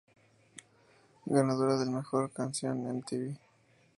Ganadora de Mejor Canción de Mtv.